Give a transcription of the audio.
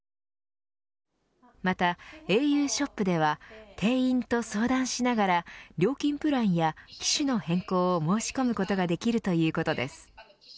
また、ａｕショップでは店員と相談しながら料金プランや機種の変更を申し込むことができるということです。